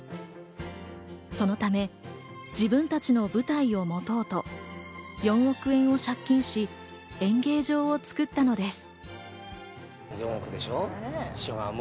そのため、自分たちの舞台を持とうと４億円を借金し、演芸場を作ったのです。